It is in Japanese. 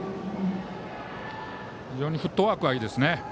非常にフットワークがいいですね。